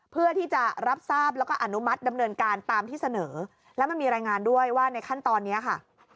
เพื่อที่จะรับทราบแล้วก็อนุมัติดำเนินการตามที่เสนอแล้วมันมีรายงานด้วยว่าในขั้นตอนนี้ค่ะ